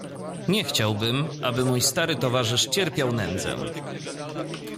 "Nie chciałbym, aby mój stary towarzysz cierpiał nędzę."